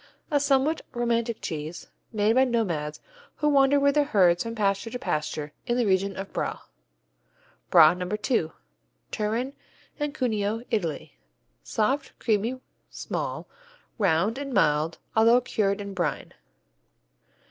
A somewhat romantic cheese, made by nomads who wander with their herds from pasture to pasture in the region of Bra. Bra No. II Turin and Cuneo, Italy Soft, creamy, small, round and mild although cured in brine.